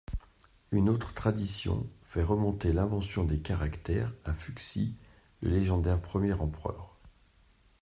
Une autre tradition fait remonter l'invention des caractères à Fuxi, le légendaire premier empereur.